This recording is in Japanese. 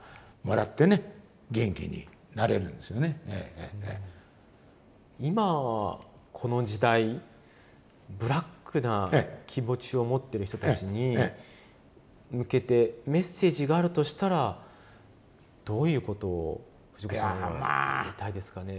人がね寄って今はこの時代ブラックな気持ちを持ってる人たちに向けてメッセージがあるとしたらどういうことを藤子さんは言いたいですかね？